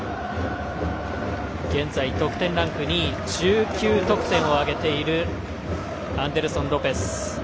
現在、得点ランク２位１９得点を挙げているアンデルソン・ロペス。